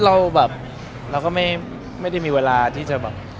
เราก็ไม่ได้มีเวลาที่จะแบบ